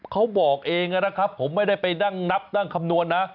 เขาบอกเองนะครับผมไม่ได้ไปนั่งนับนั่งคำนวณนะ